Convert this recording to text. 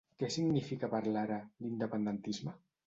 Què significa per Lara l'independentisme?